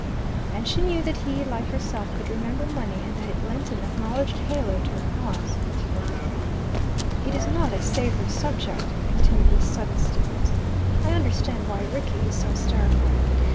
And she knew that he, like herself, could remember money, and that it lent an acknowledged halo to her cause. "It is not a savoury subject," he continued, with sudden stiffness. "I understand why Rickie is so hysterical.